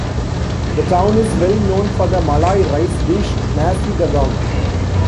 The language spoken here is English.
The town is well known for the Malay rice dish, "nasi dagang".